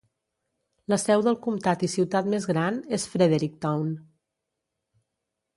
La seu del comtat i ciutat més gran és Fredericktown.